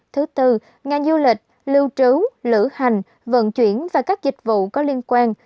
thứ tư ngành du lịch lưu trứ lữ hành vận chuyển và các dịch vụ có liên quan